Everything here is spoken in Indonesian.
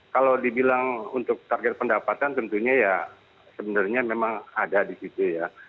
kalau dibilang untuk target pendapatan tentunya ya sebenarnya memang ada di situ ya